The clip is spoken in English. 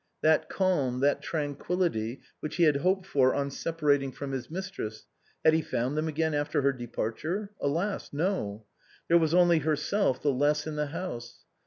That calm, that tranquillity which he had hoped for on separating from his mistress, had he found them again after her departure ? Alas ! no. There was only herself the less in the house.